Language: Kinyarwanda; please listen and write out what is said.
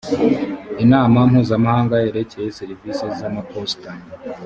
inama mpuzamahanga yerekeye serivisi z’amaposita